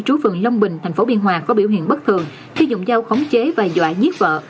trú phường long bình tp biên hòa có biểu hiện bất thường khi dùng dao khống chế và dọa giết vợ